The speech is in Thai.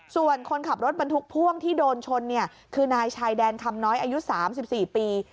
ส่วนคนขับรถมันทุกพ่วงที่โดนชนเนี้ยคือนายชายแดนคำน้อยอายุสามสิบสี่ปี